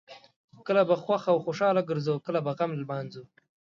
کله به خوښ او خوشحاله ګرځو او کله به غم لمانځو.